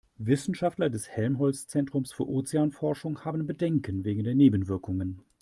Wissenschaftler des Helmholtz-Zentrums für Ozeanforschung haben Bedenken wegen der Nebenwirkungen.